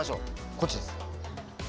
こっちです。